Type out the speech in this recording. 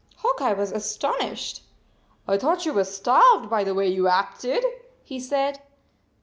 Hawk Eye was astonished. " I thought you were starved by the way you acted," he said.